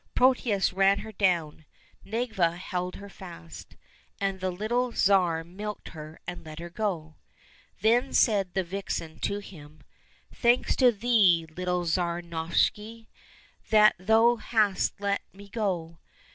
Protius ran her down, Nedviga held her fast, and the little Tsar milked her and let her go. Then said the vixen to him, '' Thanks to thee, little Tsar Novishny, that thou hast let me go.